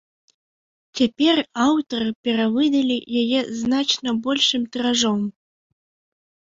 Цяпер аўтары перавыдалі яе значна большым тыражом.